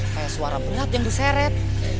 kayak suara berat yang diseret